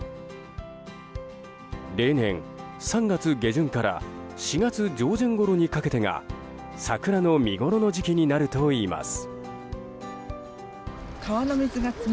例年３月下旬から４月上旬ごろにかけてが桜の見ごろの時期になるといいます。